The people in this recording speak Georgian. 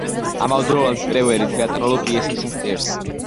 ამავდროულად პრევერი თეატრალურ პიესებსაც წერს.